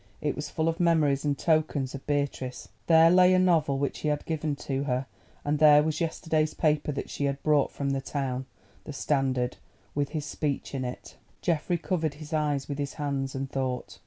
It was full of memories and tokens of Beatrice. There lay a novel which he had given her, and there was yesterday's paper that she had brought from town, the Standard, with his speech in it. Geoffrey covered his eyes with his hand, and thought.